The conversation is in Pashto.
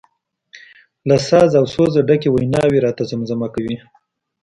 له ساز او سوزه ډکې ویناوي راته زمزمه کوي.